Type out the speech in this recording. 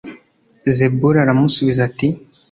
zebuli aramusubiza ati